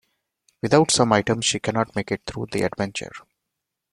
Without some items, she cannot make it through the adventure.